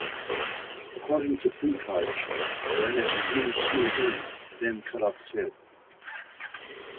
According to Plutarch, Herennius first slew him, then cut off his head.